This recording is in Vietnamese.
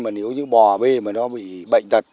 mà nếu như bò bê mà nó bị bệnh tật